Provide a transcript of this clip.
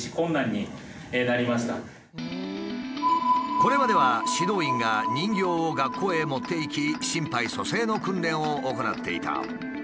これまでは指導員が人形を学校へ持っていき心肺蘇生の訓練を行っていた。